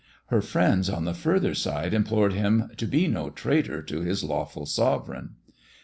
Her friends on the further side implored him to be no traitor to his lawful sovereign.